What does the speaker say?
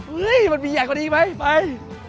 เฮ้ยมันมีอย่างกว่านี้ไหมไป